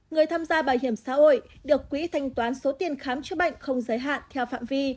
người tham gia bảo hiểm xã hội được quỹ thanh toán số tiền khám chữa bệnh không giới hạn theo phạm vi